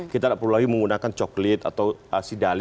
kita tidak perlu lagi menggunakan coklit atau sidali